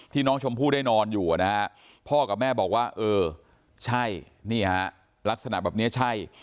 น้องชมพู่ได้นอนอยู่นะฮะพ่อกับแม่บอกว่าเออใช่นี่ฮะลักษณะแบบนี้ใช่